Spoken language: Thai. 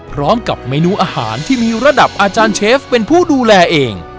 พร้อมกับเมนูอาหารที่มีระดับอาจารย์เชฟเป็นผู้ดูแลเอง